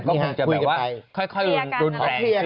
จะแบบว่าค่อยรุนแรง